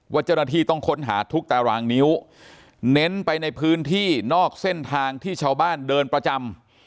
เจ้าหน้าที่ต้องค้นหาทุกตารางนิ้วเน้นไปในพื้นที่นอกเส้นทางที่ชาวบ้านเดินประจำ